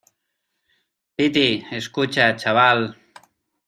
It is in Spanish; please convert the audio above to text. piti, escucha , chaval.